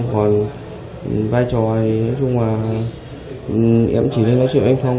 còn vai trò nói chung là em chỉ lên nói chuyện lên